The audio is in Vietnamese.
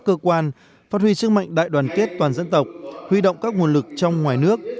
cơ quan phát huy sức mạnh đại đoàn kết toàn dân tộc huy động các nguồn lực trong ngoài nước